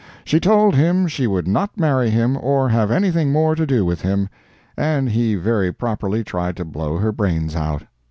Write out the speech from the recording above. She told him she would not marry him or have anything more to do with him, and he very properly tried to blow her brains out.